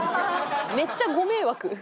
めっちゃご迷惑。